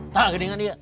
tak gede kan dia